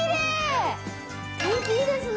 天気いいですね！